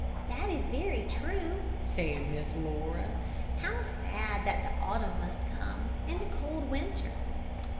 "That is very true," said Miss Laura; "how sad that the autumn must come, and the cold winter."